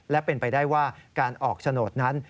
และเป็นไปได้ว่าการออกโฉนดนั้น